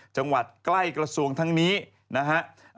จังหวัดใกล้กระทรวงทั้งนี้นะครับ